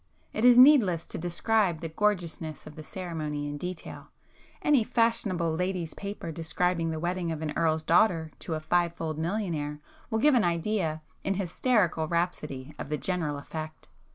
It is needless to describe the gorgeousness of the ceremony in detail,—any fashionable 'ladies paper' describing the wedding of an Earl's daughter to a five fold millionaire, will give an idea, in hysterical rhapsody, of the general effect.